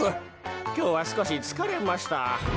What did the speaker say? きょうはすこしつかれました。